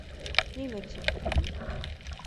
— Нимә тип?